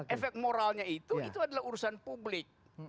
efek moralnya itu itu adalah urusan publik